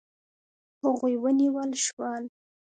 هغوی ونیول شول.